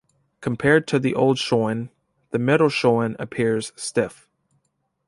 Compared to the Old Shoin, The Middle Shoin appears stiff.